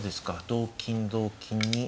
同金同金に。